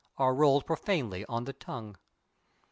are rolled profanely on the tongue.